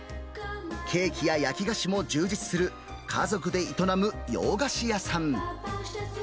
ケーキや焼き菓子も充実する、家族で営む洋菓子屋さん。